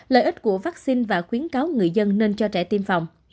lợi ích của vaccine và khuyến cáo người dân nên cho trẻ tiêm phòng